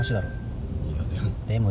いやでも。